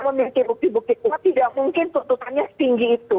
memiliki bukti bukti kuat tidak mungkin tuntutannya setinggi itu